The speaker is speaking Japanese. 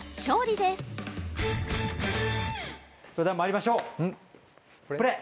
それではまいりましょうプレ？